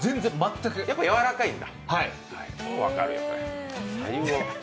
やっぱりやわらかいんだ。